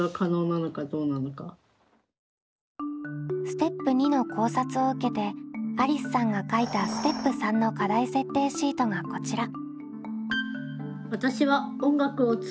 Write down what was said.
ステップ②の考察を受けてありすさんが書いたステップ③の課題設定シートがこちら。